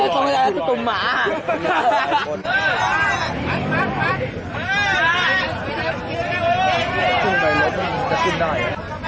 พี่คงใครเลยว่าพี่งานอยากวาย